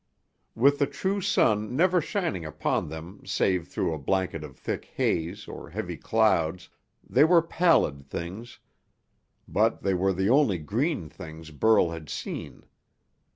With the true sun never shining upon them save through a blanket of thick haze or heavy clouds, they were pallid things, but they were the only green things Burl had seen.